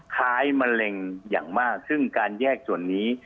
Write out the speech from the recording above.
คล้ายมะเร็งอย่างมากซึ่งการแยกตัวนี้